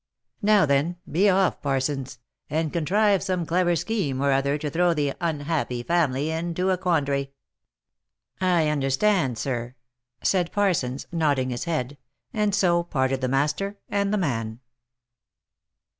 " Now then be off, Parsons, and contrive some clever scheme or other to throw the unhappy family into a quandary." " I understand, sir," said Parsons, nodding his head, and so parted the master and the man.